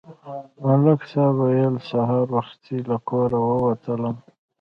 ملک صاحب ویل: سهار وختي له کوره ووتلم.